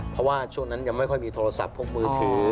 เพราะว่าช่วงนั้นยังไม่ค่อยมีโทรศัพท์พวกมือถือ